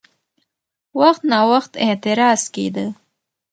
وخت ناوخت اعتراض کېده؛